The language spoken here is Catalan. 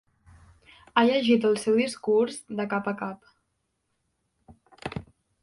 Ha llegit el seu discurs de cap a cap.